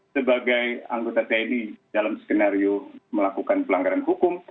sebagai anggota tni dalam skenario melakukan pelanggaran hukum